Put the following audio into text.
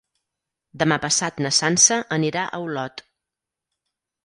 Demà passat na Sança anirà a Olot.